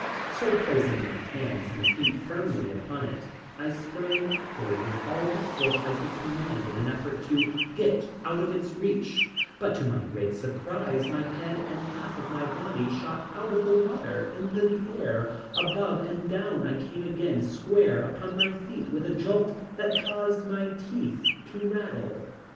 So placing my hands and feet firmly upon it I sprang upward with all the force I could command in an effort to get out of its reach, but to my great surprise my head and half of my body shot out of the water into the air above and down I came again square upon my feet with a jolt that caused my teeth to rattle.